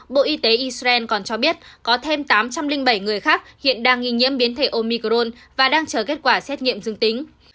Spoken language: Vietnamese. bộ y tế israel còn cho biết có thêm tám trăm linh bảy người khác hiện đang nghi nhiễm biến thể omicron và đang chờ kết quả xét nghiệm dương tính